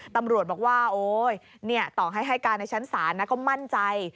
ตำรวจบอกว่าต่อให้การในชั้นศาลก็มั่นใจ